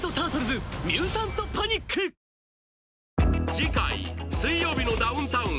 次回「水曜日のダウンタウン」